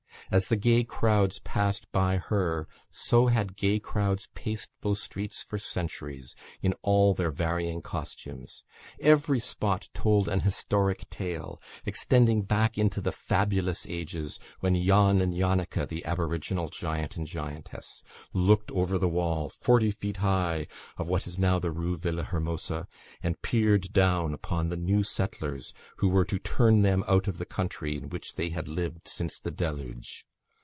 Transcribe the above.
As the gay crowds passed by her, so had gay crowds paced those streets for centuries, in all their varying costumes. Every spot told an historic tale, extending back into the fabulous ages when Jan and Jannika, the aboriginal giant and giantess, looked over the wall, forty feet high, of what is now the Rue Villa Hermosa, and peered down upon the new settlers who were to turn them out of the country in which they had lived since the deluge.